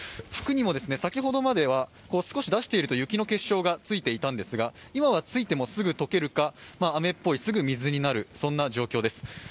服にも、先ほどまでは少し出していると雪の結晶がついていたんですが、今はついても、すぐ解けるか、雨っぽい、すぐ水になる、そんな状況です